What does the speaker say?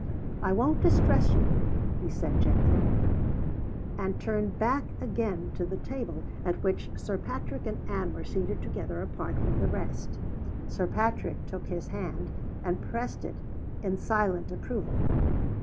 "I won't distress you," he said, gently and turned back again to the table at which Sir Patrick and Anne were seated together apart from the rest. Sir Patrick took his hand, and pressed it in silent approval.